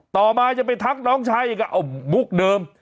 ต่อมาจะไปทักน้องชายอีกเอามุกเดิม